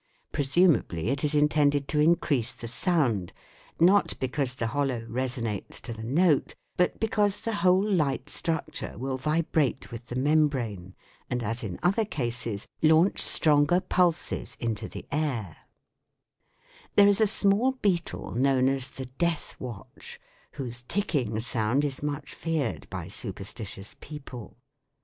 Presumably it is intended to increase the sound, not be cause the hollow reson ates to the note, but be cause the whole light structure will FIG. 57A. A " Death watch " preparing to rap with its head. vibrate with the membrane and as in other cases launch stronger pulses into the air. There is a small beetle known as the "death watch" whose ticking sound is much feared by superstitious people.